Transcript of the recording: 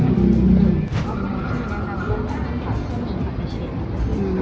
ก็คือเต็มเยียร์เราจะเต็มที่มีน้ำตาล